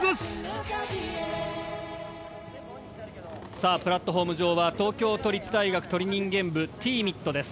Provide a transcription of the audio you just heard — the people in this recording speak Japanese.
さあプラットホーム上は東京都立大学鳥人間部Ｔ−ＭＩＴです。